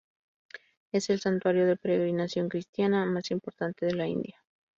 Es el santuario de peregrinación cristiana más importante de la India.